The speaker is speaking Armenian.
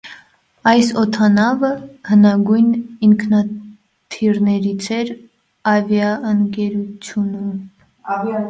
Այս օդանավը հնագույն ինքնաթիռներից էր ավիաընկերությունում։